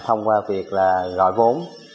thông qua việc gọi vốn